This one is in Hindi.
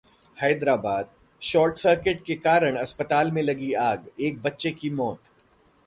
हैदराबाद: शॉर्ट सर्किट के कारण अस्पताल में लगी आग, एक बच्चे की मौत